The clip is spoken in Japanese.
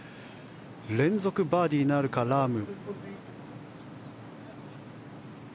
連続バーディーなるか、ラーム。